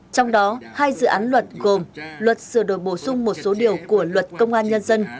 trong đó hai dự án luật gồm luật sửa đổi bổ sung một số điều của luật công an nhân dân